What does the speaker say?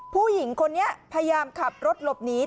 ผู้หญิงคนนี้พยายามขับรถหลบหนี